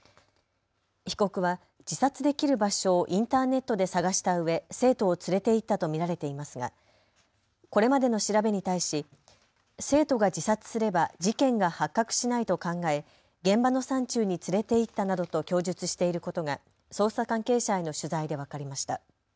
被告は自殺できる場所をインターネットで探したうえ生徒を連れて行ったと見られていますがこれまでの調べに対し生徒が自殺すれば事件が発覚しないと考え、現場の山中に連れて行ったなどと供述していることが捜査関係者への取材で分かりました。